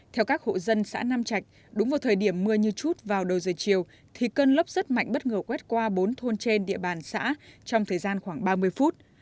theo các hộ dân xã nam trạch đúng vào thời điểm mưa như chút vào đầu giờ chiều thì cơn lốc rất mạnh bất ngờ quét qua bốn thôn trên địa bàn xã trong thời gian khoảng ba mươi phút